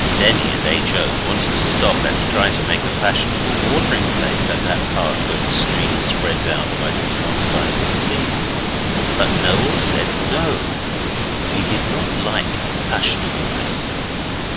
Denny and H. O. wanted to stop and try to make a fashionable watering place at that part where the stream spreads out like a small sized sea, but Noel said, 'No.' We did not like fashionableness.